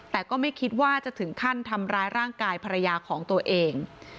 แต่ก็ไม่คิดว่าจะถึงขั้นทำร้ายร่างกายภรรยาของตัวเอง